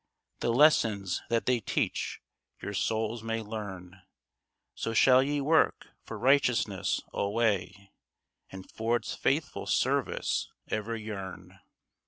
The lessons that they teach, your souls may learn ; So shall ye work for righteousness alway, And for its faithful service ever yearn.